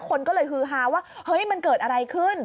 คนก็เลยฮือฮาว่าเฮ้ยมันเกิดอะไรขึ้น